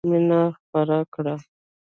مینه خپره کړئ!